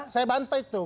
saya bantai tuh